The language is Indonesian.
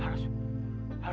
dia hadapi orang baru